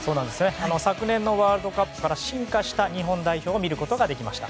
昨年のワールドカップから進化した日本代表を見ることができました。